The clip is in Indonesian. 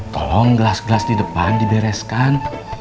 tolong gelas gelas di depan dibereskan